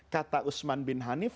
kata usman bin hanif